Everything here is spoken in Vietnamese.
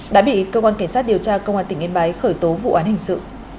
đã bị cơ quan cảnh sát điều tra công an tỉnh yên bái khởi tố vụ án hình sự